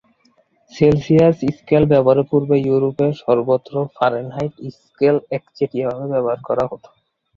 Celsius scale ব্যবহারের পূর্বে ইউরোপের সর্বত্র ফারেনহাইট স্কেল একচেটিয়াভাবে ব্যবহার করা হতো।